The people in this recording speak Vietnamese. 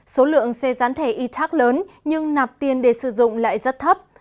số lượng xe gián thể e tac lớn nhưng nạp tiền để sử dụng lại rất thấp